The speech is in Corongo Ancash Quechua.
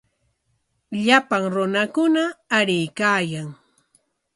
Llapan runakuna aruykaayan.